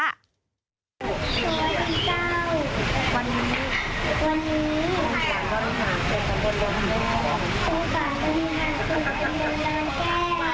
น้องอิ่มจังหรือว่าน้องดอกแก้ม